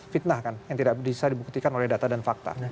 fitnah kan yang tidak bisa dibuktikan oleh data dan fakta